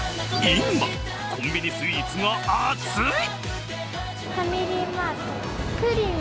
今、コンビニスイーツが熱い。